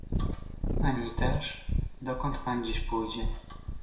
"Ani też, dokąd Pan dziś pójdzie."